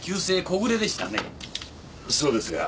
そうですが。